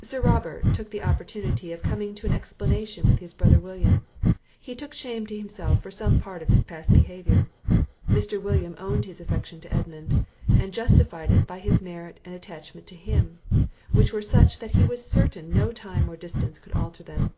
Sir Robert took the opportunity of coming to an explanation with his brother William; he took shame to himself for some part of his past behaviour. Mr. William owned his affection to Edmund, and justified it by his merit and attachment to him, which were such that he was certain no time or distance could alter them.